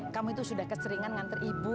kamu itu sudah keseringan nganter ibu